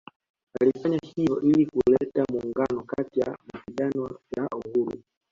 Alifanya hivyo ili kuleta muungano katika mapigano ya uhuru